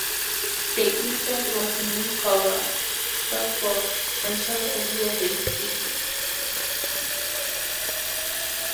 The infant was named Cora, short for Central Ohio Rare Ape.